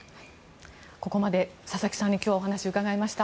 ここまで佐々木さんにお話を伺いました。